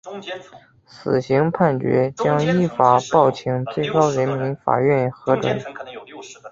死刑判决将依法报请最高人民法院核准。